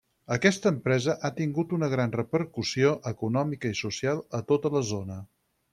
Aquesta empresa ha tingut una gran repercussió econòmica i social a tota la zona.